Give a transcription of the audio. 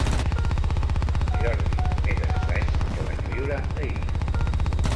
Jordi més estrany que vaig viure ahir.